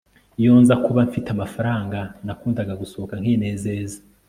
iyo nza kuba mfite amafaranga, nakundaga gusohoka nkinezeza